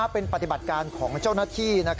เป็นปฏิบัติการของเจ้าหน้าที่